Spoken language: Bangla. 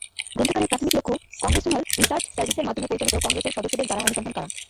গ্রন্থাগারের প্রাথমিক লক্ষ্য কংগ্রেসনাল রিসার্চ সার্ভিসের মাধ্যমে পরিচালিত কংগ্রেসের সদস্যদের দ্বারা অনুসন্ধান করা।